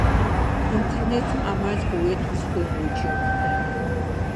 Интернетым ӏэмал къыует узыхуейм уеджэну.